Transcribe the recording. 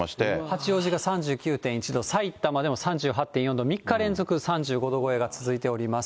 八王子が３９．１度、埼玉でも３８．４度、３日連続３５度超えが続いております。